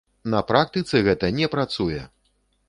На практыцы гэта не працуе!!!